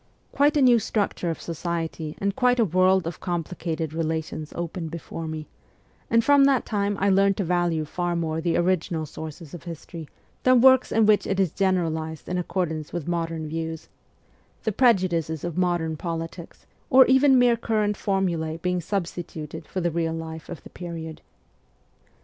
Quite a new structure of society and quite a world of complicated relations opened before me ; and from that time I learned to value far more the original sources of history than works in which it is generalized in accord ance with modern views the prejudices of modern politics, or even mere current formulae being substi tuted for the real life of the period.